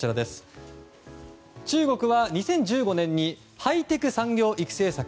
中国は２０１５年にハイテク産業育成策